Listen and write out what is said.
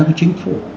của chính phủ